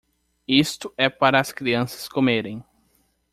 Isto é para as crianças comerem.